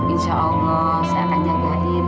insya allah saya akan jagain